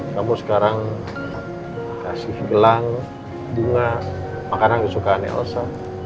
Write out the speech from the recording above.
kamu sekarang kasih gelang bunga makanan kesukaan nelsa